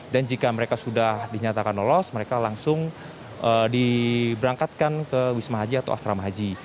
dan jika mereka sudah dinyatakan lolos mereka langsung diberangkatkan ke wisma haji atau asrama haji